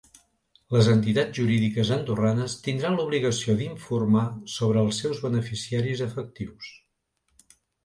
Les entitats jurídiques andorranes tindran l’obligació d’informar sobre els seus beneficiaris efectius.